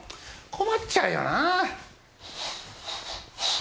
困っちゃうよな！